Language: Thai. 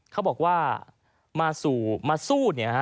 เขาบอกว่ามาสู้มาสู้เนี่ย